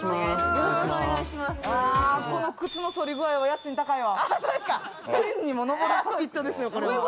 この靴の反り具合は家賃高いわ。